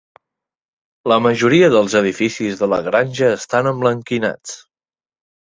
La majoria dels edificis de la granja estan emblanquinats.